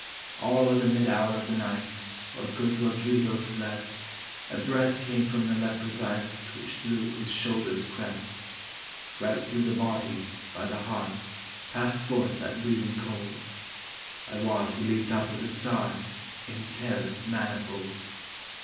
All at the mid hour of the night, while good Rodrigo slept, A breath came from the leprosite which through his shoulders crept; Right through the body, by the heart, passed forth that breathing cold: I wot he leaped up with a start, in terrors manifold.